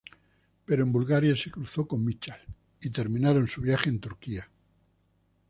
Pero en Bulgaria se cruzó con Michal, y terminaron su viaje en Turquía.